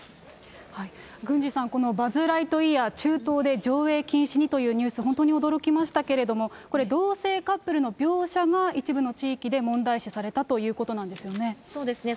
郡司さん、このバズ・ライトイヤー、中東で上映禁止にというニュース、本当に驚きましたけれども、これ同性カップルの描写が、一部の地域で問題視されたということなんですよね。